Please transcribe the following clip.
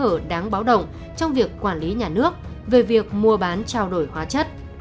còn bộc lộ nhiều kẽ hở đáng báo động trong việc quản lý nhà nước về việc mua bán trao đổi hóa chất